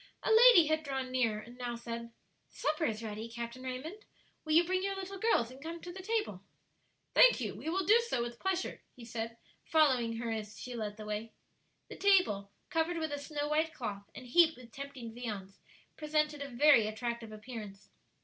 A lady had drawn near, and now said, "Supper is ready, Captain Raymond; will you bring your little girls and come to the table?" "Thank you; we will do so with pleasure," he said, following her as she led the way. The table, covered with a snow white cloth and heaped with tempting viands, presented a very attractive appearance.